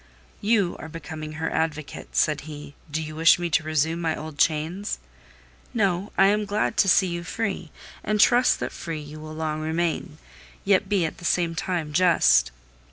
"You are becoming her advocate," said he. "Do you wish me to resume my old chains?" "No: I am glad to see you free, and trust that free you will long remain. Yet be, at the same time, just."